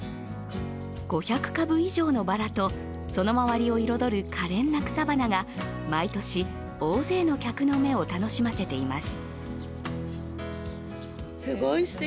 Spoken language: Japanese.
５００株以上のバラとその周りを彩るかれんな草花が毎年、大勢の客の目を楽しませています。